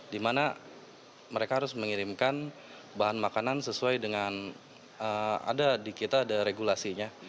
dimana mereka harus mengirimkan bahan makanan sesuai dengan ada di kita ada regulasinya